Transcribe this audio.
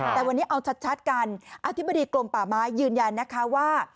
แต่วันนี้เอาชัดกันอธิบดีกรมป่าไม้ยืนยันนะคะว่า